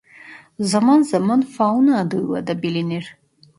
Zaman zaman Fauna adıyla da bilinir.